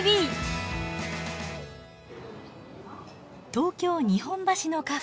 東京・日本橋のカフェ。